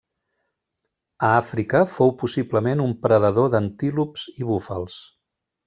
A Àfrica, fou possiblement un predador d'antílops i búfals.